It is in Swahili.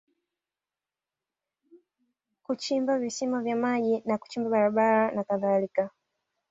Kuchimba visima vya maji na kuchimba barabara na kadhalika